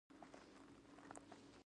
خوشحال خان خټک د دواړو مخالف و.